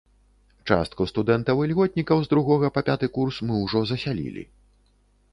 Частку студэнтаў-ільготнікаў з другога па пяты курс мы ўжо засялілі.